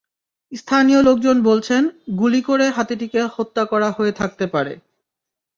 স্থানীয় লোকজন বলছেন, গুলি করে হাতিটিকে হত্যা করা হয়ে থাকতে পারে।